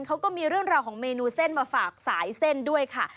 เขาก็มีเรื่องราวของเมนูเส้นมาฝากสายเส้นด้วยค่ะ